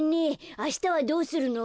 あしたはどうするの？